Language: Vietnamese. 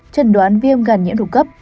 trần đoán viêm gan nhiễm độc cấp